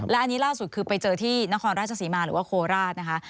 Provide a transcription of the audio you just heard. และอันนี้ล่าสุดคือไปเจอที่นครราชศรีมาหรือว่าโคราชนะคะ